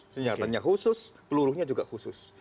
senjatanya khusus pelurunya juga khusus